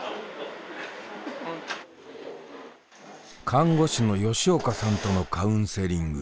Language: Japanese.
看護師の吉岡さんとのカウンセリング。